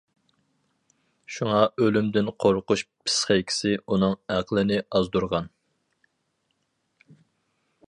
شۇڭا ئۆلۈمدىن قورقۇش پىسخىكىسى ئۇنىڭ ئەقلىنى ئازدۇرغان.